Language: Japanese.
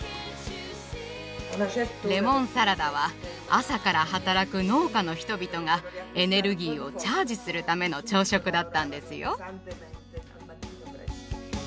レモンサラダは朝から働く農家の人々がエネルギーをチャージするための朝食だったんですよ。